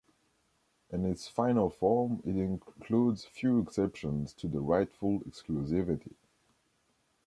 In its final form, it includes few exceptions to the rightful exclusivity.